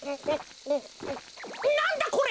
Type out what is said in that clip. なんだこれ。